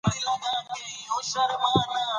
ملک صادق د الهي مرستې نښه ده.